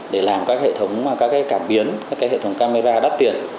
để làm các hệ thống các cái cảm biến các cái hệ thống camera đắt tiền